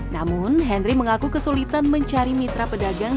namun henry mengaku kesulitan mencari mitra pedagang